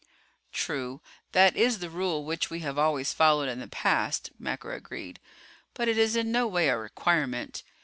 "True, that is the rule which we have always followed in the past," Macker agreed, "but it is in no way a requirement.